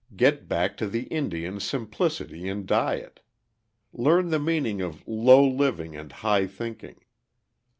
Get back to the Indian's simplicity in diet. Learn the meaning of "low living and high thinking."